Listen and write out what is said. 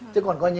chứ còn coi như